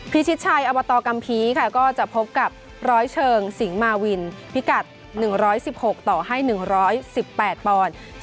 ชิดชัยอบตกัมภีร์ค่ะก็จะพบกับร้อยเชิงสิงหมาวินพิกัด๑๑๖ต่อให้๑๑๘ปอนด์